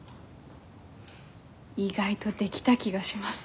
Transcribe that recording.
意外とできた気がします。